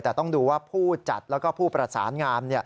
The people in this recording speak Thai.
แต่ต้องดูว่าผู้จัดแล้วก็ผู้ประสานงาม